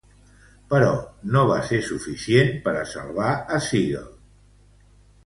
Però no va ser suficient per a salvar a Siegel.